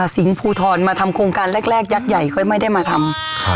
สิงห์ภูทรมาทำโครงการแรกยักษ์ใหญ่ค่อยไม่ได้มาทำ